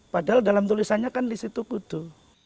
padahal dalam tulisannya kan di situ kudu